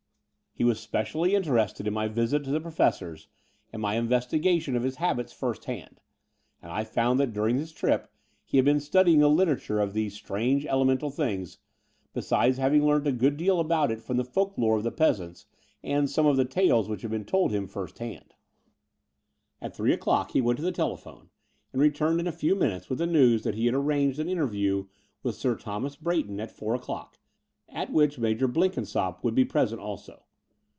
He was specially interested in my visit to the Professor and my investigation of his habits first hand : and I found that during his trip he had been studying the literature of these strange ele mental things, besides having learnt a good deal about it from the folk lore of the peasants and some of the tales which had been told him first hand. At three o'clock he went to the telephone, and returned in a few minutes with the news that he had arranged an interview with Sir Thomas Bray ton at four o'clock, at which Major Blenkinsopp would be present also.